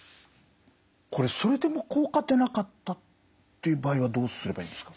これそれでも効果出なかったっていう場合はどうすればいいですか？